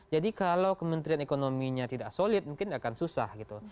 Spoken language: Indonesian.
jadi kalau kementerian ekonominya tidak solid mungkin akan susah gitu